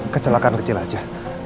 kecelakaan kecil aja